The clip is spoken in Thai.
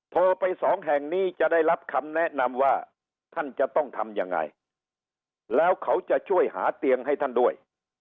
โทรไปสองแห่งนี้จะได้รับคำแนะนำว่าท่านจะต้องทำยังไงแล้วเขาจะช่วยหาเตียงให้ท่านด้วย